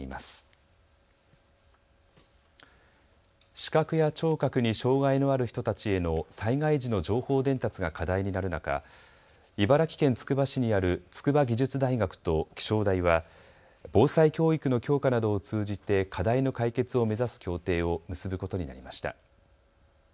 視覚や聴覚に障害のある人たちへの災害時の情報伝達が課題になる中、茨城県つくば市にある筑波技術大学と気象台は防災教育の強化などを通じて課題の解決を目指す協定を結ぶことになりました。